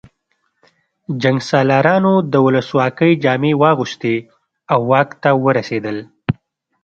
جنګسالارانو د ولسواکۍ جامې واغوستې او واک ته ورسېدل